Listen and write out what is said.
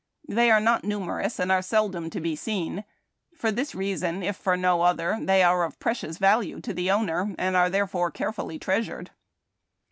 They are not numerous and are seldom to be seen — for this reason, if for no other, they are of precious value to the owner, and are therefore carefully treasured.